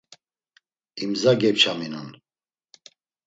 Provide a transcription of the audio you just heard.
imza gepçaminon.